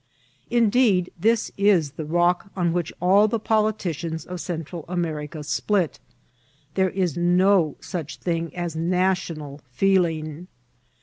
Indeed, this is the rock on which all the politicians of Central America split : there is no such thing as national feeling.